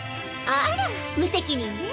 あら無責任ね。